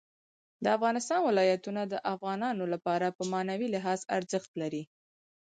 د افغانستان ولايتونه د افغانانو لپاره په معنوي لحاظ ارزښت لري.